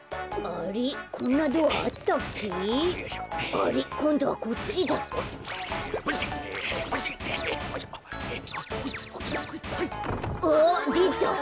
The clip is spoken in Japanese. あっでた。